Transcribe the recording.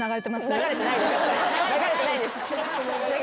流れてないです。